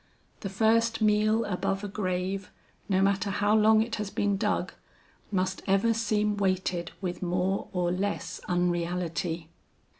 The first meal above a grave, no matter how long it has been dug, must ever seem weighted with more or less unreality.